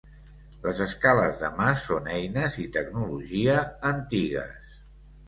Les escales de mà són eines i tecnologia antigues.